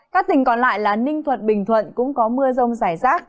các tỉnh còn lại là ninh thuận bình thuận cũng có mưa rông rải rác